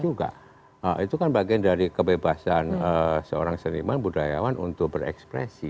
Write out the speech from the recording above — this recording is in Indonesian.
juga itu kan bagian dari kebebasan seorang seniman budayawan untuk berekspresi